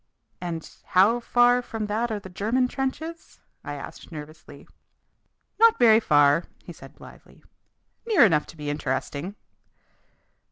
"And how far from that are the German trenches?" I asked nervously. "Not very far," he said blithely. "Near enough to be interesting."